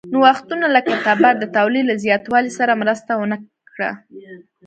نوښتونه لکه تبر د تولید له زیاتوالي سره مرسته ونه کړه.